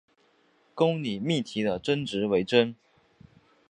公理命题的真值为真。